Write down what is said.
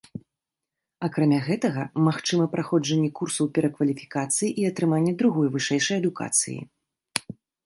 Акрамя гэтага, магчыма праходжанне курсаў перакваліфікацыі і атрымання другой вышэйшай адукацыі.